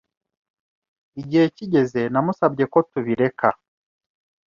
igihe kigeze namusabye ko tubireka